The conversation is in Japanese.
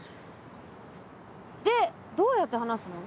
でどうやって離すの？